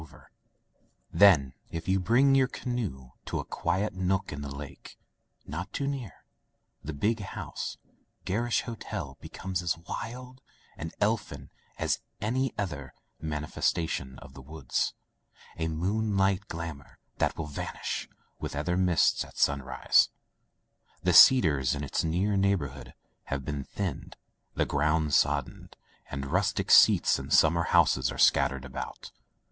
[ 277 ] Digitized by LjOOQ IC Interventions Then if you bring your canoe to a quiet nook in the lake — ^not too near — ^thc big, garish hotel becomes as wild and elfin as any other manifestation of the woods, a moon light glamour that will vanish with other mists at sunrise. The cedars in its near neighborhood have been thinned, the ground sodded, and rustic seats and summer houses are scattered about.